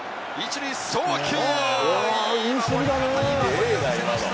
１塁送球！